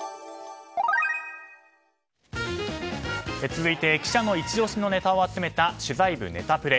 続いて記者のイチ押しのネタを集めた取材部ネタプレ。